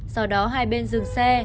sau đó hai bên dừng xe